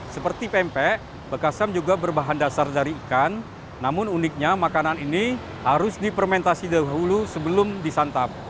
seperti pempek bekasam juga berbahan dasar dari ikan namun uniknya makanan ini harus dipermentasi dahulu sebelum disantap